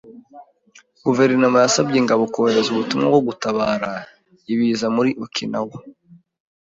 Guverinoma yasabye ingabo kohereza ubutumwa bwo gutabara ibiza muri Okinawa.